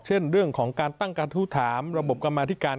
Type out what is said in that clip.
เช่นเรื่องของการตั้งการทู้ถามระบบกรรมาธิการ